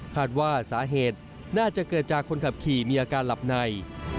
คาดว่าสาเหตุน่าจะเกิดจากคนขับขี่มีอาการหลับใน